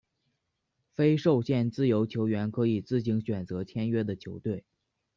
非受限自由球员可以自行选择签约的球队。